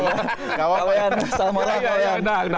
pak woyan salam olah pak woyan